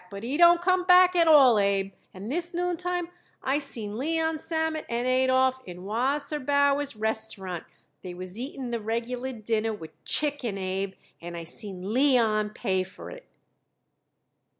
But he don't come back at all, Abe, and this noontime I seen Leon Sammet and Adolph in Wasserbauer's Restaurant. They was eating the regular dinner with chicken, Abe, and I seen Leon pay for it."